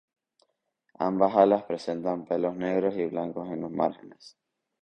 Ambas alas presentan pelos negros y blancos en los márgenes.